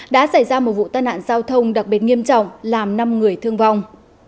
đã xảy ra một vụ tai nạn giao thông đặc biệt nghiêm trọng làm năm người thương vong